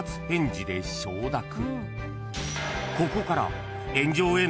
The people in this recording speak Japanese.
［ここから］